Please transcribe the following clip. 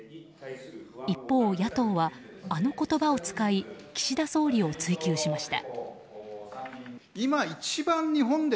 一方、野党はあの言葉を使い岸田総理を追及しました。